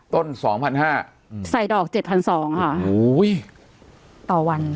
สองพันห้าอืมใส่ดอกเจ็ดพันสองค่ะโอ้โหต่อวัน